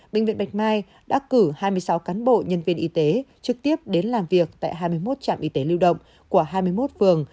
bệnh viện bạch mai đã cử hai mươi sáu cán bộ nhân viên y tế trực tiếp đến làm việc tại hai mươi một trạm y tế lưu động của hai mươi một phường